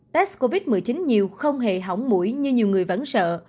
test covid một mươi chín nhiều không hề hỏng mũi như nhiều người vẫn sợ